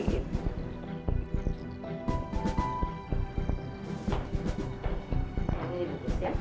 amplanan eyebrows juga nih